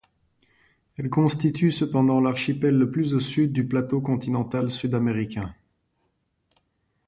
Elles constituent cependant l'archipel le plus au sud du plateau continental sud-américain.